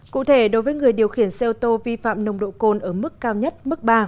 cụ thể đối với người điều khiển xe ô tô vi phạm nồng độ côn ở mức cao nhất mức ba